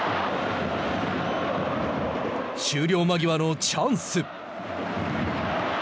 終了間際のチャンス。